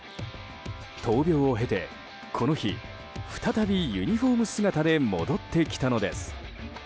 闘病を経てこの日、再びユニホーム姿で戻ってきたのです。